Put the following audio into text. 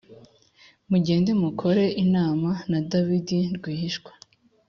mugende mukore inama na Dawidi rwihishwa.